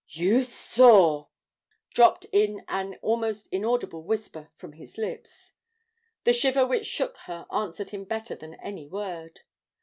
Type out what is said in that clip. "You saw!" dropped in an almost inaudible whisper from his lips. The shiver which shook her answered him better than any word.